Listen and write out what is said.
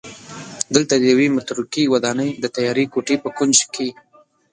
دلته د یوې متروکې ودانۍ د تیارې کوټې په کونج کې